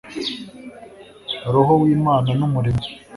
roho w'imana n'umuremyi